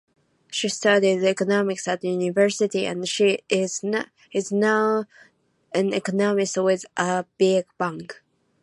She studied economics at university and is now an economist with a big bank.